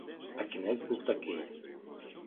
А кінець був такий.